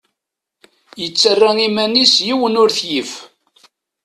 Yettarra iman-is yiwen ur t-yif.